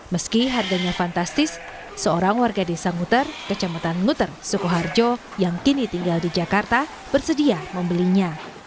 meski harganya fantastis seorang warga desa nguter kecamatan nguter sukoharjo yang kini tinggal di jakarta bersedia membelinya